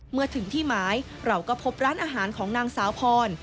เมื่อถึงที่หมายเราก็พบร้านอาหารของนางสาวพร